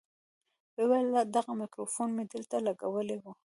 ويې ويل دغه ميکروفون مې دلته لګولى و.